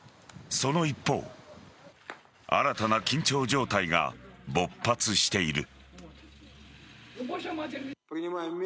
その一方新たな緊張状態が勃発している。